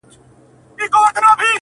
o د وخت مجنون يم ليونى يمه زه.